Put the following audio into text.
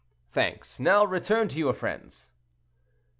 "Thanks; now return to your friends."